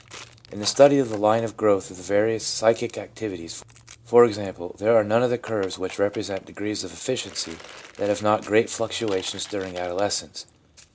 In the study of the line of growth of the various psychic activities, for example, there are none of the curves which represent degrees of efficiency that have not great fluctuations during adolescence.